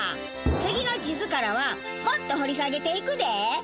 次の地図からはもっと掘り下げていくで！